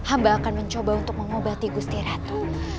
hamba akan mencoba untuk mengobati gusti ratu